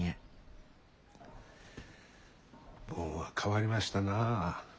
ボンは変わりましたな。